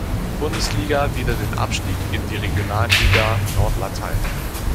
Bundesliga wieder der Abstieg in die Regionalliga Nord Latein.